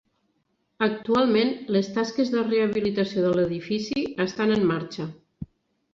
Actualment, les tasques de rehabilitació de l'edifici estan en marxa.